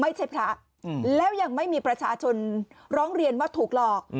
ไม่ใช่พระแล้วยังไม่มีประชาชนร้องเรียนว่าถูกหลอก